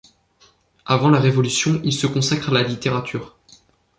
Avant la Révolution, il se consacre à la littérature.